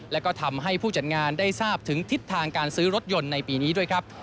และก็ทำให้ผู้จัดงานได้ทราบถึงทิศทางการซื้อรถยนต์ในปีนี้ด้วยครับ